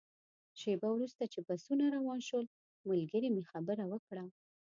شېبه وروسته چې بسونه روان شول، ملګري مې خبره وکړه.